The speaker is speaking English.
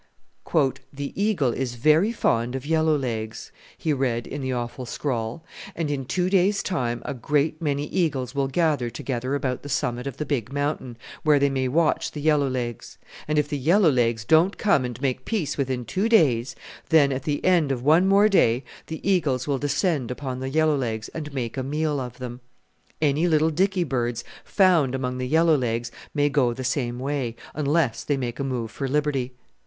"The Eagle is very fond of Yellow legs," he read in the awful scrawl, "and in two days' time a great many Eagles will gather together about the summit of the big mountain, where they may watch the Yellow legs; and if the Yellow legs don't come and make peace within two days, then at the end of one more day the Eagles will descend upon the Yellow legs and make a meal of them. Any little dicky birds found among the Yellow legs may go the same way, unless they make a move for liberty.